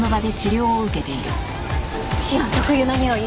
シアン特有のにおい。